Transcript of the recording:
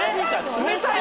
冷たい？